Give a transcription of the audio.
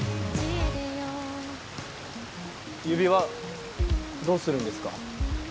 指輪どうするんですか？